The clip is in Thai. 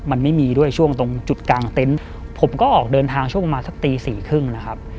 มันไม่มีด้วยช่วงตรงจุดกลางเต็นต์ผมก็ออกเดินทางช่วงประมาณสักตีสี่ครึ่งนะครับ